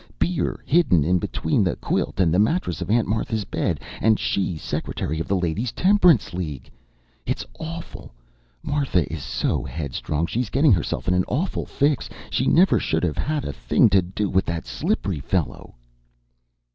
Beer hidden between the quilt and the mattress of Aunt Martha's bed, and she Secretary of the Ladies' Temperance League! It's awful! Martha is so headstrong! She's getting herself in an awful fix! She never should have had a thing to do with that Slippery fellow!"